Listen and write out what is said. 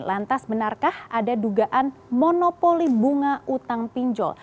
lantas benarkah ada dugaan monopoli bunga utang pinjol